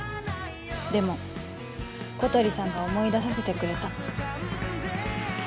でも小鳥さんが思い出させてくれた